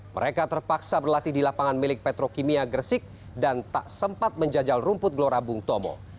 mereka terpaksa berlatih di lapangan milik petrokimia gresik dan tak sempat menjajal rumput gelora bung tomo